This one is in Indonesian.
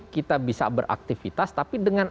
kita bisa beraktivitas tapi dengan